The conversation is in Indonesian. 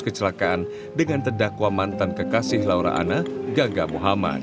kecelakaan dengan terdakwa mantan kekasih laura anna gaga muhammad